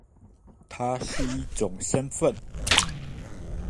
它是一種身分